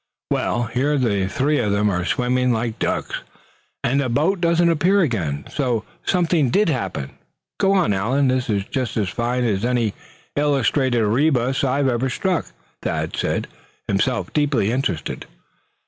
"Well, here the three of them are swimming like ducks, and the boat doesn't appear again, so something did happen. Go on Allan, this is just as fine as any illustrated rebus I ever struck," Thad said, himself deeply interested.